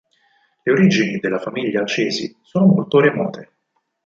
Le origini della famiglia Cesi sono molto remote.